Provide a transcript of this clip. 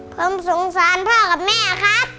ผมสงสารพ่อกับแม่ครับ